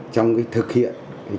trong cái thực hiện